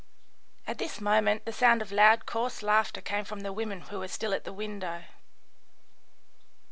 At this moment the sound of loud, coarse laughter came from the women who were still at the window.